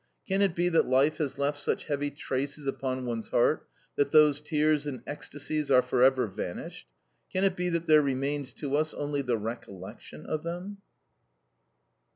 Can it be that life has left such heavy traces upon one's heart that those tears and ecstasies are for ever vanished? Can it be that there remains to us only the recollection of them?